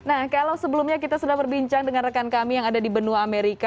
nah kalau sebelumnya kita sudah berbincang dengan rekan kami yang ada di benua amerika